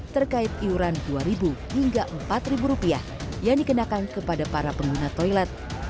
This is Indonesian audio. terkait iuran rp dua hingga rp empat yang dikenakan kepada para pengguna toilet